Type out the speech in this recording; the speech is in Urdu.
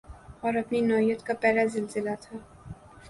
اور اپنی نوعیت کا پہلا زلزلہ تھا